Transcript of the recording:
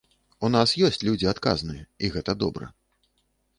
У нас ёсць людзі адказныя, і гэта добра.